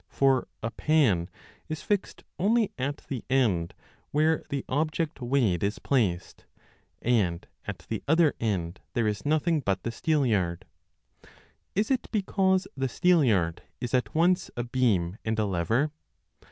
For a pan is fixed only at the end where the object weighed is placed, and at the other end there is nothing but the steelyard. Is it because the steelyard is at once a beam and a lever